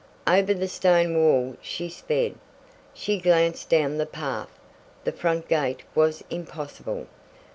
Over the stone walk she sped. She glanced down the path. The front gate was impossible.